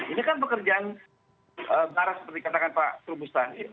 ini kan pekerjaan barang seperti katakan pak terbustani